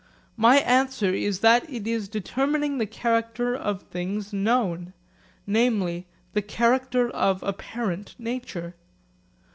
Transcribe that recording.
My answer is that it is determining the character of things known, namely the character of apparent nature.